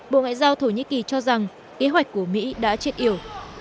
bộ ngoại giao thổ nhĩ kỳ cho rằng kế hoạch của mỹ đã chết yếu